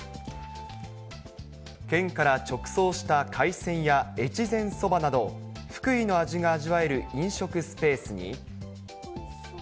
県から直送した海鮮や越前そばなど、福井の味が味わえる飲食スペースに。